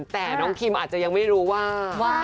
แต่น้องคิมอาจจะยังไม่รู้ว่า